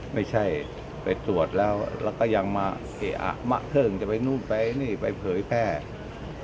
ไม่ใช่ไปตรวจแล้วแล้วก็ยังมาเสียอะมะเขิ้งจะไปนู่นไปนี่ไปเผยแพร่